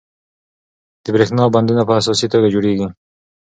د بریښنا بندونه په اساسي توګه جوړیږي.